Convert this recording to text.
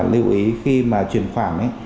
lưu ý khi mà chuyển khoản